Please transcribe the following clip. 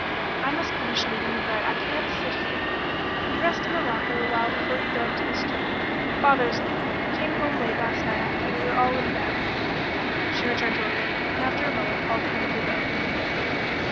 "I must finish kneading the bread; I can't sit here. You rest in the rocker awhile before you go up to the studio. Father's up there. He came home late last night after we were all in bed." She returned to her work, and after a moment called to him through the open window.